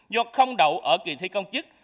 do không đậu ở kỳ thi công chức